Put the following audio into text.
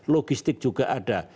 logistik juga ada